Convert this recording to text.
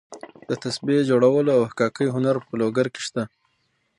د تسبیح جوړولو او حکاکۍ هنر په لوګر کې شته.